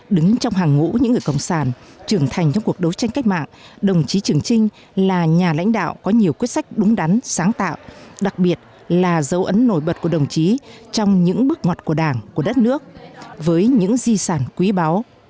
đứng trong hàng ngũ những người cộng sản trưởng thành trong cuộc đấu tranh cách mạng đồng chí trường trinh là nhà lãnh đạo có nhiều quyết sách đúng đắn sáng tạo đặc biệt là dấu ấn nổi bật của đồng chí trong những bước ngoặt của đảng của đất nước với những di sản quý báu